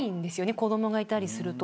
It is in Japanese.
子どもがいたりすると。